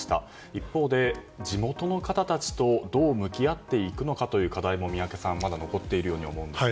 一方で、地元の方たちとどう向き合っていくのかという課題も宮家さんまだ残っているように思うんですが。